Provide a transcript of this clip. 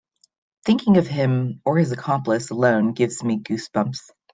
Thinking of him or his accomplice alone gives me goose bumps.